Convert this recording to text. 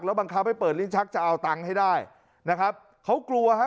บังคับให้เปิดลิ้นชักจะเอาตังค์ให้ได้นะครับเขากลัวฮะ